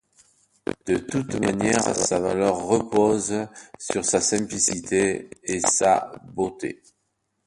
De toute manière, sa valeur repose sur sa simplicité et sa beauté.